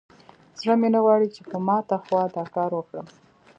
زړه مې نه غواړي چې په ماته خوا دا کار وکړم.